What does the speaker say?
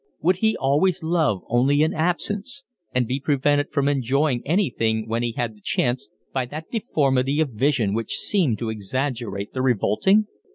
Would he always love only in absence and be prevented from enjoying anything when he had the chance by that deformity of vision which seemed to exaggerate the revolting?